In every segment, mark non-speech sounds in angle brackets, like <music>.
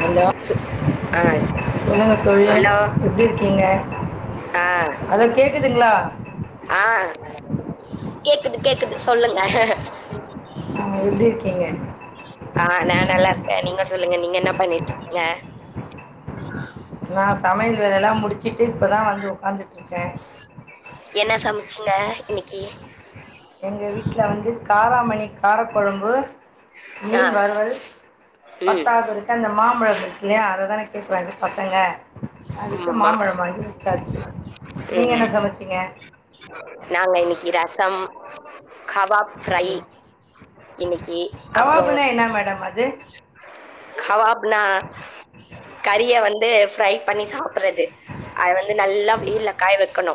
Hello ஆ சொல்லுங்க தோழி ஹலோ எப்டி இருக்கீங்க ஆ ஹலோ கேக்குதுங்ளா ஆ கேக்குது கேக்குது சொல்லுங்க ஆ எப்டி இருக்கீங்க ஆ நா நல்லா இருக்கே நீங்க சொல்லுங்க நீங்க என பண்ணிட்டு இருக்கீங்க நா சமையல் வேலை எல்லா முடிச்சிட்டு இப்பதா வந்து உட்கார்ந்துட்டு இருக்கே என சமைச்சிங்க இன்னைக்கு எங்க வீட்ல வந்து காராமணி காரக்கொழம்பு ஆ மீன் வருவல் ம் பத்தாது அந்த மாம்பழ இருக்கிலய அத தானே கேட்கறாங்க பசங்க அதுக்கு மா மாம்பழோ வாங்கி டாசி நீங்க என்ன ம் சமச்சிங்க நாங்க இன்னைக்கு ரசம் கபாப் ஃப்ரை ம். இன்னைக்கு அப்றோ என்னா மேடம் அது கவாப் னா கறிய வந்து ஃப்ரை பண்ணி சாப்பறது அத வந்து நல்லா வெயில்ல காய வைக்கணு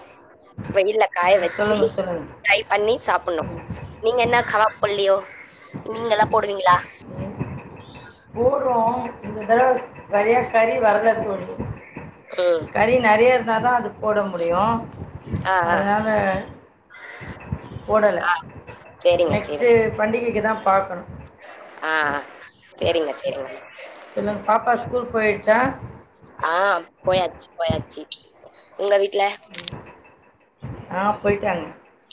வெயில்ல காய ம், வச்சு சொல்லுங்க சொல்லுங்க பண்ணி சாப்பிடணு நீங்க என்ன கபாப் போல்லையோ நீங்க எல்லா போடுவீங்களா போட்றோ இந்த தடவ சரியா கறி வரல தோழி ம் கறி நெறைய இருந்தாதா அது போட முடியு ஆ ஆ அதுனால போடல ஆ சேரிங்க நெக்ஸ்ட்டு சேரிங்க பண்டிகைக்கு தா பாக்கணு ஆ சேரிங்க சேரிங்க சொல்லுங் பாப்பா ஸ்கூல் போய்ட்சா ஆ போயாச்சி போயாச்சி உங்க வீட்ல ஆ போயிட்டாங்க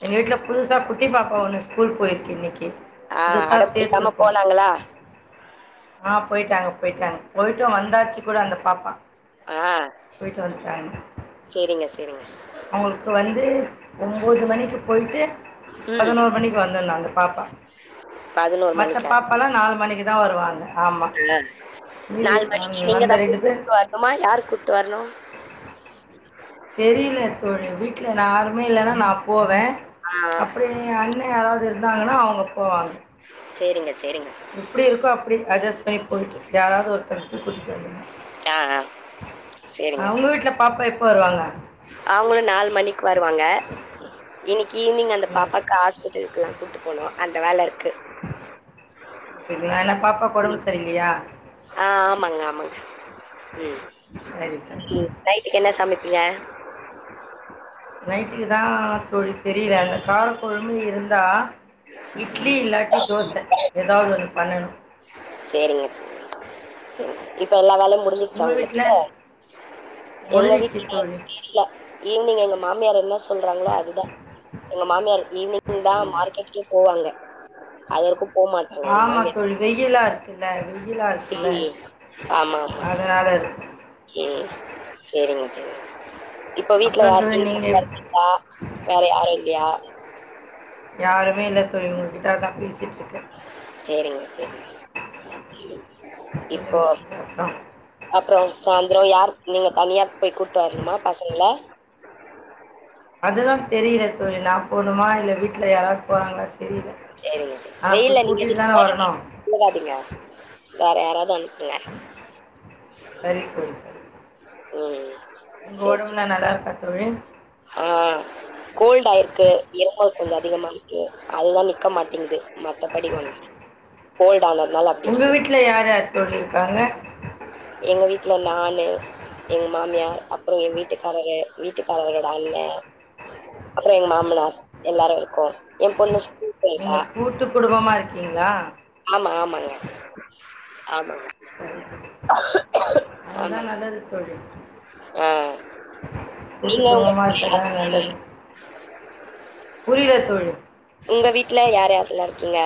எங்க வீட்ல புதுசா குட்டி பாப்பா ஒன்னு ஸ்கூல் போய்ருக்கு இன்னைக் கி ஆ புதுசா அடம் பிடிக்காம சேர்த்துருக்கோ <unintelligible> ஆ போயிட்டாங்க போயிட்டாங்க போய்டு வந்தாச்சு கூட அந்த பாப்பா ஆ போய்ட்டு வந்துட்டாங்க சேரிங்க சேரிங்க அவுங்களுக்கு வந்து ஒன்பது மணிக்கு போயிட்டு ம் பதினோரு மணிக்கு வந்தனு அந்த பாப்பா மத்த மணிக்கா பாப்பாலா நாலு மணிக்கு தா வருவாங்க ஆமா. ம் மீதி நாலு மணிக்கு ம் அந்த நீங்கதா போய் பேர் கூட்டு வரணுமா யாரு கூட்டு வரணு தெரியில தோழி யாருமே இல்லைனா நா போவே ஆ ஆ அப்டி எ அண்ண யாராவது இருந்தாங்கனா அவுங்க போவாங் சேரிங்க சேரிங்க எப்டி இருக்கோ அப்டி அட்ஜஸ்ட் பண்ணி போய்ட்டு யாராவது ஒருத்தர் கூட்டிட்டு வந்துரு ஆ ஆ சேரிங்க அவுங்க வீட்ல பாப்பா எப்ப வருவாங்க அவுங்களு நாலு மணிக்கு வருவாங்க இன்னைக்கு ஈவினிங் அந்த ம். பாப்பாக்கு ஹாஸ்பிட் இருக்கு அங்க கூப்ட்டு போனு அந்த வேல இருக்கு எதுனான்ன பாப்பாக்கு ஒடம்பு ம் சரி இல்லையா ஆ ஆமாங்க ஆமாங்க ம் சரி, சரி. ம் நைட்டுக்கு என்ன சமைப்பீங்க நைட்டுக்கு தா தோழி தெரில அந்த கார கொழம்பு இருந்தா இட்லி இல்லாட்டி தோச எதாவது ஒன்னு பண்ணணு சேரிங்க தோழி சரி இப்ப எல்லா வேலையு மு முஞ்சிச்சா உங்க உங்களுக்கு வீட்ல? எங்க முடிஞ்சிச்சு வீட்ல தோழி இல்ல ஈவினிங் எங்க மாமியார் என்ன சொல்றாங்களோ அதுதா எங்க மாமியார் ஈவினிங் ஈவினிங் தா மார்க்கெட்கே போவாங்க அதற்கு ஆமா தோழி வெயிலா இருக்குல்ல வெயிலா இருக்குல்ல ம் ஆமா ஆமா அதனால இருக்கும் ம் சரிங்க சரிங்க இப்ப வீட்ல அப்புறோ யாரு <inaudible> தோழி நீங்க குத்தனுப்பி த வேற யாரு இல்லையா யாருமே இல்ல தோழி உங்ககிட்ட அதா பேசிட்ருக்க சேரிங்க சேரி இப்போ சொல்லுங்க தோழி அப்புறோ அப்றோ சாந்த்ரோ யார் நீங்க தனியா போய் கூட்டு வரணுமா பசங்கள அதுதா தெரில தோழி நா போணுமா இல்ல வீட்ல யாராது போறாங்கலா சரிங்க தோழி வெயில்ல நீங்க எதுக் தானே வரணு போறிங்கே போகாதீங்க வேற யாராவது அனுப்புங்க சரி தோழி சரி தோழி. ம் உங்க சேரி சேரி ஒடம்புலா நல்லா இருக்கா தோழி ஆ கோல்ட் ஆயிருக்கு இருமல் கொஞ்ச அதிகமாருக்கு அதுதா நிக்க மாட்டிங்குது மத்த படி <inaudible> கோல்டு ஆனதுனால அப்டி உங்க இருக்கு வீட்ல யார் யார் தோழி இருக்காங்க எங்க வீட்ல நானு எங்க மாமியார் அப்றோ எ வீட்டுக்காரர் வீட்டுக்கார அண்ண அப்றோ எங்க மாம்னார் எல்லாரு இருக்கோ எ பொண்ணு நீங்க போயிருக்கா கூட்டு குடும்பமா இருக்கீங்களா ஆமா ஆமாங்க ஆமாங்க சரி <inaudible> அதுதா ஆமாங்க நல்லது தோழி ஆ கூட்டு நீங்க உங்க குடும்பமா இருப்பதா நல்லது புரில தோழி உங்க வீட்ல யார் யார்லா இருக்கீங்க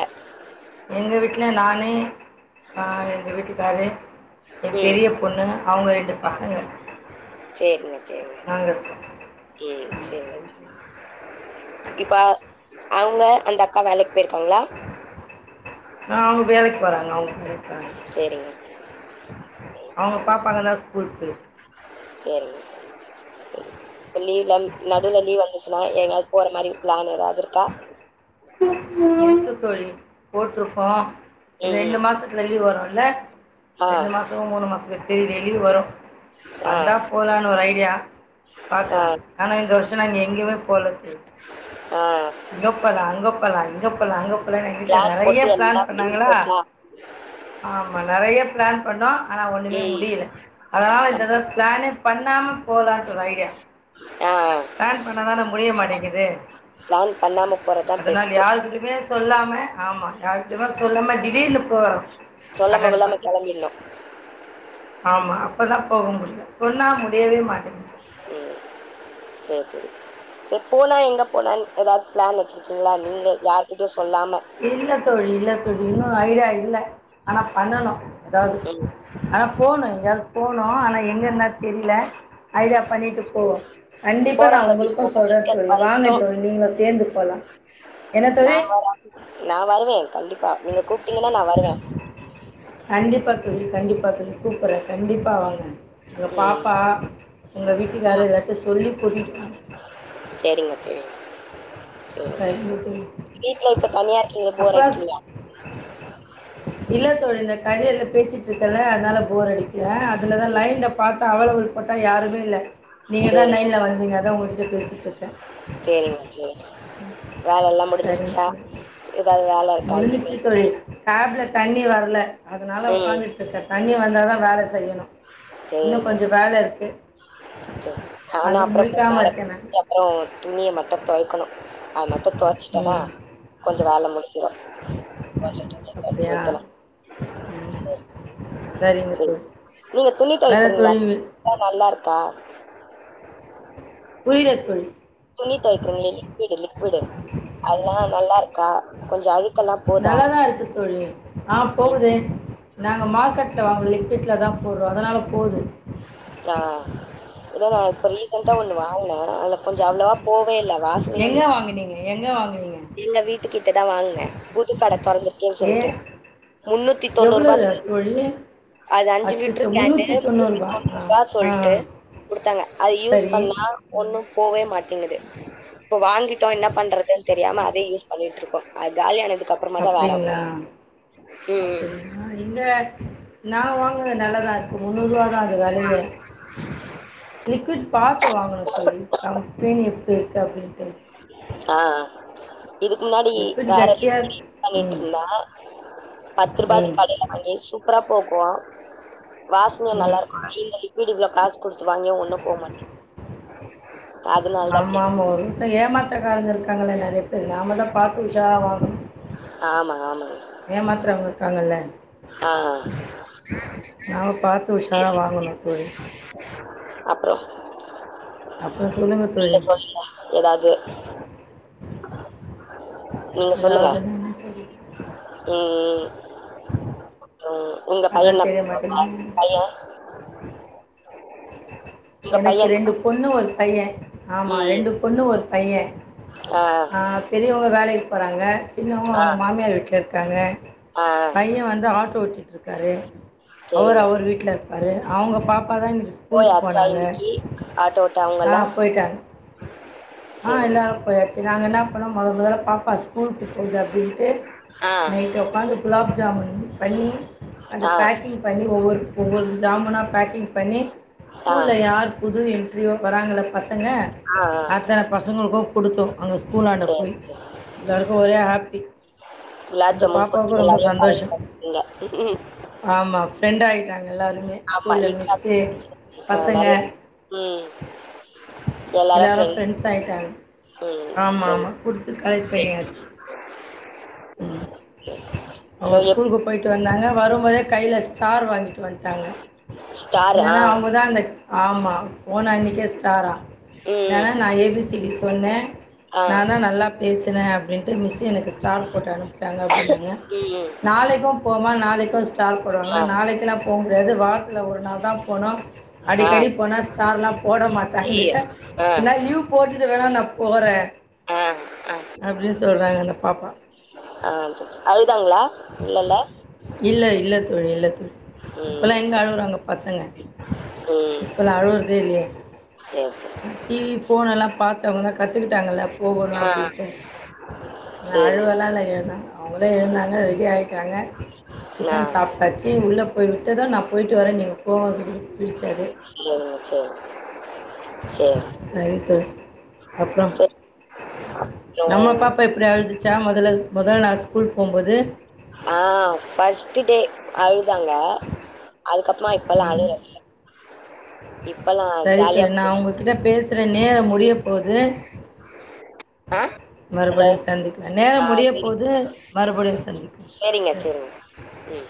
எங்க வீட்ல நானு அ எங்க வீட்டுக்காரு எ ம் பெரிய பொண்ணு அவுங்க ரெண்டு பசங்க சேரிங்க சேரிங்க நாங்க இருக்கோ இ சரி சரி இப்ப அவுங்க அந்த அக்கா வேலைக்கு போய்ருக்காங்களா ஆ அவுங்க வேலைக்கு போறாங்க அவுங்க வேலைக்கு போறாங்க சேரிங்க அவுங்க பாப்பாங்கல ஸ்கூலுக்கு சேரிங்க சேரிங்க லீவ்ல நடுல லீவ் வந்துச்சு னா எங்காவது போற மாரி பிளான் ஏதாவது இருக்கா வித்து தொலையும் போட்டிருப்போம் ம் ரெண்டு ம் மாசத்துல லீவு வரும் இல்ல ஆ ரெண்டு மா சம் மூணு மாசம் தெரிய வரும் ஆ வந்தா போலாம்னு ஒரு ஐடியா பாக்குற ஆ ஆனா இந்த வருஷம் நாங்க எங்கயுமே போல தோழி ஆ இங்க போலாம் அங்க போலா இங்க போலாம் அங் போலா எங்க வீட்டல பிளான் நறைய போட்டு பிளான் எல்லாம் லீவ் பண்ணாங்களா போச்சா ஆமா நறையா பிளான் பண்ணோம் ஆனா ஒண்ணுமே ம் முடியல அதனால இந்தடவ பிளானே பண்ணாம போலான்ட்டு ஒரு ஐடியா ஆ பிளான் பண்ணதானே முடிய மாட்டேங்குது பிளான் பண்ணாம அதனால யாருகிட்டயுமே சொல்லாம ஆமா யாருக்கிட்டையுமே சொல்லாம திடீர்னு போறோ சொல்லாம அட்டன் கொல்லாம பண்ண கிளம்பிறலாம் ஆமா அப்போ தான் போக முடியும் சொன்னா முடியவே மாட்டேங்குது ம் சேர் சேரி சேர் போலா எங்க போலான்னு ஏதாவது பிளான் வச்சிருக்கீங்களா நீங்களே யார்கிட்டயும் சொல்லாம இல்ல தோழி இல்ல தோழி இன்னும் ஐடியா இல்ல ஆனா பண்ணணும் ஏதாவது ம் ஆனா போணும் எங்கயாது போனும் ஆனா எங்கேனு தான் தெரில ஐடியா பண்ணிட்டு போவோம் கண்டிப்பா நான் போகிறவங்க கிட்ட உங்களுக்கும் மட்டும் சொல்றேன் டிஸ்கஸ் தோழி வாங்க பண்ணிட்டோம் தோழி நீங்க சேர்ந்து போலாம் என்ன தோழி நான் வர நான் வருவேன் கண்டிப்பா நீங்க கூப்பிட்டீங்கன்னா நான் வருவேன் கண்டிப்பா தோழி கண்டிப்பா தோழி கூப்பறேன் கண்டிப்பா வாங்க உங்க ம் பாப்பா உங்கள் வீட்டுக்காரு எல்லார்ட்டையும் சொல்லி கூட்டிட்டு வாங்க சேரிங்க தோழி சேரி சரிங்க தோழி வீட்ல இப்ப தனியா இருக்கீங்க போர் அப்புறம் அடிக்கலயா இல்ல தோழி இந்த கரியால பேசிட்டு இருக்கல அதனால போர் அடி ஏ அதுலதான் லைன்ல பார்த்தா அவைலபிள் போட்டா யாருமே இல்ல நீங்க தான் சேரிங்க லைன்ல வந்தீங்க அதான் உங்ககிட்ட பேசிட்டு இருக்கேன் சேரிங்க சேரி வேலல்லாம் முடிஞ்சிருச்சா ஏதாவது வேல இருக்கா முடிஞ்சுச்சு இனிமே தோழி டேப்ல தண்ணி வரல அதனால ம் உட்காந்து ட்டு இருக்க தண்ணி வந்தால் தான் வேலை செய்யணும் இன்னும் கொஞ்சோ வேல இருக்கு கொஞ்சோ ஆனா அது அப்பறம் கொஞ்ச முடிக்காம நேரம் இருக்கேன் நான் கலுச்சி அப்றோம் துணிய மட்டும் துவைக்கணும் அது மட்டும் தோச்சிட்டேன்னா ம் கொஞ்சோ வேல முடிஞ்சிடும் கொஞ்சம் துணி தொவச்சி அப்படியா வைக்கனும் ம் சேர் சேரி சரிங்க சேர் தோழி நீங்க துணி வேற துவிக்கிறீர்களா தோழி ல்லா நல்லா இருக்கா புரியல தோழி துணி துவைக்கிறோங்களே லிக்விடு லிக்விடு அதெல்லாம் நல்லா இருக்கா கொஞ்சம் அழு நல்லாதான் இருக்கு தோழி ஆ ம் போகுதே நாங்க மார்க்கெட்ல வாங்கல லிப்பட்ல தான் போடுறோம் அதனால போகுது ஆ இதா நா இப்ப ரீசண்டா ஒண்ணு வாங்குனே அதுல கொஞ்சோ அவ்ளவா போவே இல்ல வாசனையே எங்க இல்ல வாங்கினீங்க எங்க வாங்கனீங்க எங்க வீட்டுக்கிட்ட தா வாங்ன புது கட துறந்துர்க்கேன் ஏ சொல்ட்டு முன்னூத்தி தொன்னூருபா எவ்வளவு செ தோழி அது அஞ்சு லிட்ரு அச்சச்சோ கேனுு முந்நூற்றி தொண்ணூறுபா <inaudible> தொண்ணு ஆ ரூபா ஆ சொல்ட்டு குடுத்தாங்க அது யூஸ் சரி பண்ணா ம் ஒண்ணும் போவே மாட்டேங்குது போ வாங்கிட்டோ என்னா பண்றதுன் தெரியாம அதே யூஸ் பண்ணிட்ருக்கோ அது காலியானதுக்கப்றமா தா வேறவ் கே ம்ம் ஆ இங்க நா வாங்குது நல்லதா இருக்க முன்னூருவா தா அத் வேலைய லிக்விட் பாத்து வாங்கனு தோழி கம்ப்ளைன் இப்பு கப்புள் தோய் ஆஆ இதுக்கு முன்னாடி லிக்விட் வேற <inaudible> கட்டியாக ம் பண்ணிட்ருந்தா பத்து ரூபா அது ம் கடைல அய்லேஷ் சூப்பரா போகு வாஸ்னே ம் நல்லார்க்கு <inaudible> இந்த லிக்வீடு இவ்ளோ காஸ் குடுத்து வாங்யு உள்ள போமாட்டிக் அதுனால்தா கே ஏமாத்தக்காரங்க இருக்காங்கள நெறையா பேர் நாம தா பாத்து உஷாராவ்னும் ஆமாம் ஆமாங்க சார் ஏமாத்துறவ்ங்க இருக்காங்கல்ல ஆ நாம பாத்து உஷாரா வாங்கணு தோழி அப்றோ அப்புறம் சொல்லுங்க இல்ல தோழி. சொல்லில ஏதாவ்து ஏதாவ்துன்னா என்ன சொல் உம்உ யவ் உங்க அதான் பையனப் தெரிய மாட்டேங்குது. உங்க பையன் எனக்கு என்ன ரெண்டு பண்றாங்க? பொண்ணு ஒரு பைய ஆமா ரெண்டு பொண்ணு ஒரு பையன் ஆஅவ் ஆ பெரியவ்ங்க வேலைக் போறாங்க சின்னவங்ளு ஆ அவங்க மாமியார் வீட்ல இருக்காங்க ஆ பையன் வந்து ஆட்டோ ஓட்டிட்ருக்காரு அவர் சரிங்க அவர் வீட்ல இருப்பரு அவ்ங்க பாப் ப்பதா இன்னிக்கு போய் ஸ்கூலுக்கு அச்சா நாங்க இன்னைக்கு ஆட்டோ ஓட்ட ஆ அவங்கெல்லாம் போய்ட்டாங் ஆ சரிங்க எல்லார் போயாச்சே நாங்க என்னா பண்ணோம் மொத முதல்ல பாப்பா ஸ்கூல்க்கு பொய்தா அப்டின்ட்டு ஆ நைட்டு உக்காந்து குலாப் ஜாமுன் பண்ணி அந்த ஆ பேக்கிங் பண்ணி ஒவ்வொர் ஒவ்வொரு ஜாமுனா பேக்கிங் பண்ணி ஆ கூல்ல ஆ யார் புது என்ட்ரியோ வராங்கள பசங்க ஆ ஆ அதா பசங்களுக்கோ குடுத்தோ அங்க ஸ்கூலாண்ட சரி போய் லருக்கு ஒரே ஹாப்பி லாப் அந்த ஜாமுன் பாப்பாவுக்கும் ரொம்ப கொட்டில்லாரே கரேட் பண்ட்டீங்க ஆமா ஃப்ரெண்ட் ஆய்ட்டாங் எல்லாருமே ஆமா ஸ்கூல்ல இக்கா மிஸ்ஸே ஆ நற்யா ம் எல்லாரும் எல்லாரு ஃப்ரெண்ட் ஃப்ரெண்ஸ ஆய்ட்டாவு ம் ஆமா ஆமா குடுத்து கலட் சரி பண்ணியாச்சு ம் அவு இப்போ எப் ஸ்கூல்க்கு போய் ட்ரு வந்தாங்க வரும்போதே கைல ஸ்டார் வாங்கிட்டு வந்ட்டாங்க ஸ்டார் ஆ இன்னன்னா அவ்ன் முதான்தக் ஆமா ஃபோன் அன்னிக்கே ஸ்டாரா ம் நனால் நா ஏ பி சி டி சொன்னே ஆ நா தா நல்லா பேசுறே அப்டின்ட்டு மிஸ்ஸு எனக்குஸ் ஸ்டால் போட்டு அனுப்ச்சாங்க அப்படின்னாங்க ம் நாளைக்கு போமா நாளைக்கோள்ட் தால் ஆ போடுவாங்ன நாளைக்கெலா போ முடியாது வார்த்துல ஒரு நாள் தா போனோ ஆ அடிக்கடி போனா ஸ்டார்லா போட ஐயோ மாட்டாங்குதே ஆ இந்தா ல்யூவ் போட்டுட்டு வேணா நா போறே ஆ ஆ அப்டின்னு சொல்றாங்க அந்த பாப்பா ஆ அழுதாங்ளா இல்ல இல்ல தோழி இல்ல தோழி ம் இப்பெல்லா எங்க அழுவுறாங்க பசங்க இப்பெல்லா அழுவுறதே இல்லையே சேர் சேரி டிவி போன்ல்லா பாத்து அவுங்க தா கத்துக்கிட்டாங்கல்ல போகணு ஆ அப்டின்ட்டு நா சரி அழுவலா இல்ல எழுந்தாங்க அவுங்களே எழுந்தாங்க ரெ டி ஆயிட்டாங்க ஆ டிஃபன் சாப்ட்டாச்சு உள்ள போய் விட்டுதா நா போயிட்டு வரே நீ உக் போக சொல்ட்டு பிடிச்சது சரிங்க சரி சரி செரி தோழி அப்றோ சரி நம்ம அப்புறம் பாப்பா இப்டி அழுதுச்சா மொதல்ல மொத நாள் ஸ்கூல் போம்போது ஆ ஃபர்ஸ்ட் டே அழுதாங்க அதுக்கப்றமா இப் ப்பலா ம், அழுவுறது இல்ல செரி தோழி நா ஒங்ககிட்ட பேசுறே நேரோ முடிய போது ஆ ஹலோ சந்திக்கலாம் ஆ நேரம் முடிய சேரிங் போது மறுபடியும் சந்திக்கலாம் சேரிங்க சரி சேரிங்க ம்